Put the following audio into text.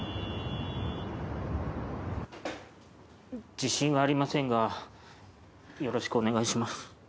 自信はありませんがよろしくお願いします。